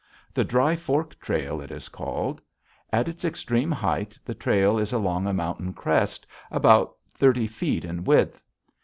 The Dry Fork Trail, it is called. At its extreme height the trail is along a mountain crest about thirty feet in width.